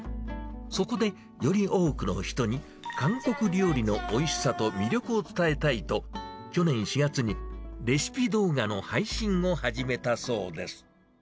そこで、より多くの人に、韓国料理のおいしさと魅力を伝えたいと、去年４月に、レシピ動画の配信を始めたそうです。